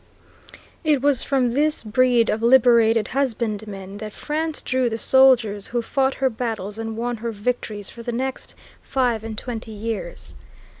It was from this breed of liberated husbandmen that France drew the soldiers who fought her battles and won her victories for the next five and twenty years.